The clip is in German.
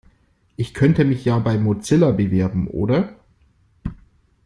Ich könnte mich ja bei Mozilla bewerben, oder?